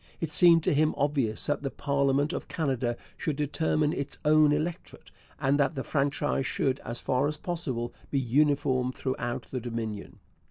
It seemed to him obvious that the parliament of Canada should determine its own electorate, and that the franchise should, as far as possible, be uniform throughout the Dominion.